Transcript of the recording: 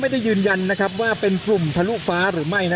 ทางกลุ่มมวลชนทะลุฟ้าทางกลุ่มมวลชนทะลุฟ้า